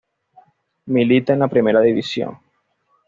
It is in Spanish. Milita en la Primera División.